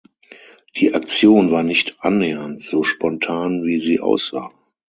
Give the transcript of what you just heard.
Die Aktion war nicht annähernd so spontan, wie sie aussah.